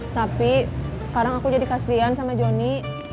tapi sekarang aku jadi kasihan sama jonny